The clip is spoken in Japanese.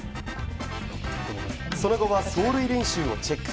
その後は走塁練習をチェック。